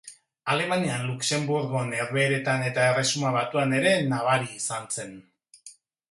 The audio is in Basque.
Alemanian, Luxenburgon, Herbehereetan eta Erresuma Batuan ere nabaria izan zen.